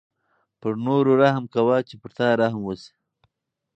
پر نورو رحم کوه چې په تا رحم وشي.